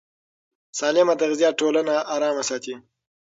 سالمه تغذیه ټولنه ارامه ساتي.